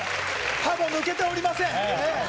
歯も抜けておりません。